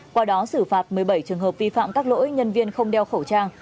qua đó xử phạt một mươi bảy trường hợp vi phạm các lỗi nhân viên không đeo khẩu trang